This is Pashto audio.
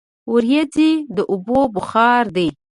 وریځې د اوبو بخار دي.